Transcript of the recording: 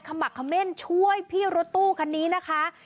คำบัดคำเม้นช่วยพี่รถตู้คันนี้นะคะ